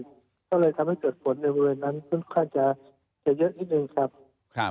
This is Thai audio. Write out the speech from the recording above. ก็เลยทำให้เกิดฝนในบริเวณนั้นค่อนข้างจะจะเยอะนิดนึงครับ